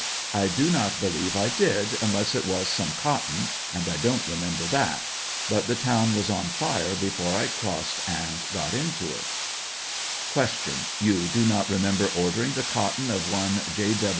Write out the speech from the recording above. I do not believe I did, unless it was some cotton, and I don't remember that; but the town was on fire before I crossed and got into it. Q. Tou do not remember ordering the cotton of one J.